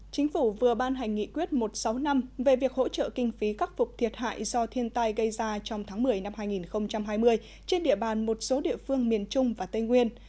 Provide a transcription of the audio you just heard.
chính phủ vừa ban hành nghị quyết một trăm sáu mươi năm về việc hỗ trợ kinh phí cắt phục thiệt hại do thiên tai gây ra trong tháng một mươi năm hai nghìn hai mươi trên địa bàn một số địa phương miền trung và tây nguyên